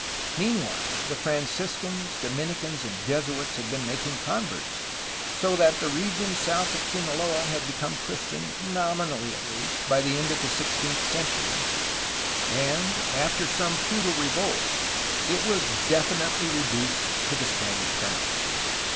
Mean while, the Franciscans, Dominicans, and Jesuits had been making converts, so that the region south of Sinaloa had be come Christian, nominally at least, by the end of the six teenth centiuy, and after some futile revolts it was defin itely reduced to the Spanish crown.